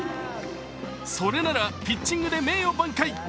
それならピッチングで名誉挽回。